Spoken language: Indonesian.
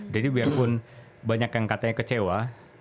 jadi biarpun banyak yang katanya kecewa